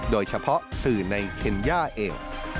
โดยเฉพาะสื่อในเคนย่าเอง